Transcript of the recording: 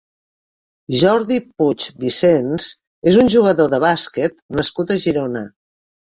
Jordi Puig Vicens és un jugador de bàsquet nascut a Girona.